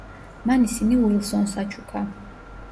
მან ისინი უილსონს აჩუქა.